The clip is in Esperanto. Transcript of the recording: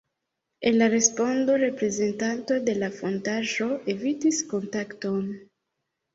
En la respondo reprezentanto de la fondaĵo evitis kontakton.